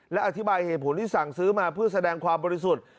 และอธิบายเหตุผลที่สั่งซื้อมาเพื่อแสดงความบริสุทธิ์